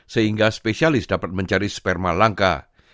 sehingga spesialis dapat mencari sperma langka